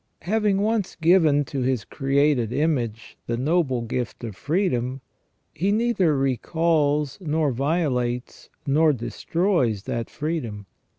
Having once given to His created image the noble gift of freedom, He neither recalls, nor violates, nor destroys that freedom.